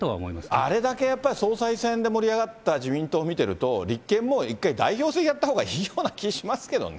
あれだけやっぱり、総裁選で盛り上がった自民党を見てると、立憲も１回代表選やったほうがいいような気もしますけどね。